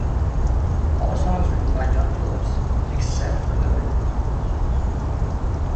All songs written by John Phillips, except where noted.